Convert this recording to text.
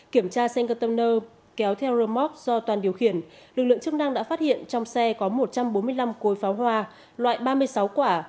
kiểm tra xe container kéo theo rơ móc do toàn điều khiển lực lượng chức năng đã phát hiện trong xe có một trăm bốn mươi năm cối pháo hoa loại ba mươi sáu quả